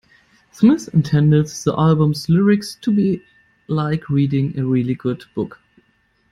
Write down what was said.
Smith intended the album's lyrics to be like reading a really good book.